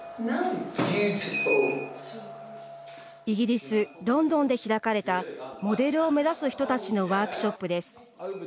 イギリス・ロンドンで開かれたモデルを目指す人たちのワークショップです。